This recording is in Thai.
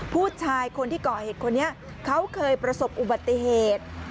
ผู้ชายคนที่ก่อเหตุคนนี้เขาเคยประสบอุบัติเหตุ